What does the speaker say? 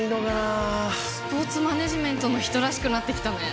あスポーツマネージメントの人らしくなってきたね